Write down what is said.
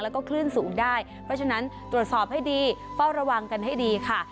แล้วก็คลื่นสูงได้เพราะฉะนั้นตรวจสอบให้ดีเฝ้าระวังกันให้ดีค่ะ